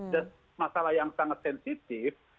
dan masalah yang sangat sensitif